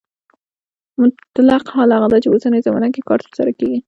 مطلق حال هغه دی چې په اوسنۍ زمانه کې کار ترسره کیږي.